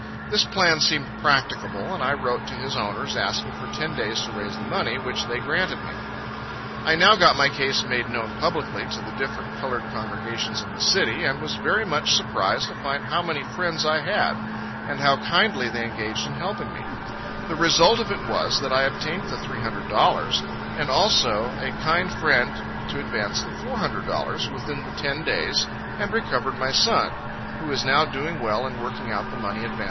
This plan seemed practicable, and I wrote to his owners, asking for ten days to raise the money; which they granted me. I now got my case made known publicly to the different colored congregations in the city and was very much surprised to find how many friends I had, and how kindly they engaged in helping me. The result of it was, that I obtained the three hundred dollars, and also a kind friend to advance the four hundred dollars, within the ten days, and recovered my son; who is now doing well, in working out the money advanced on him. So far, I felt that I had great reason to say, "Hitherto the Lord hath helped me."